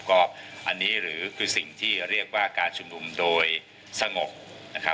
ก็อันนี้หรือคือสิ่งที่เรียกว่าการชุมนุมโดยสงบนะครับ